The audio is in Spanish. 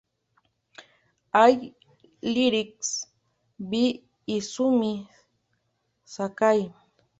All lyrics by Izumi Sakai